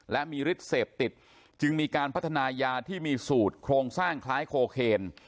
และมีฤทธิ์เสพติดจึงมีการพัฒนายาที่มีสูตรโครงสร้างคล้ายโคเคน